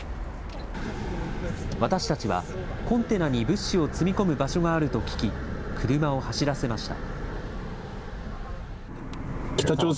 私たちは、コンテナに物資を積み込む場所があると聞き、車を走らせました。